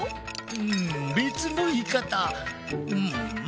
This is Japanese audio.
うんべつのいいかた。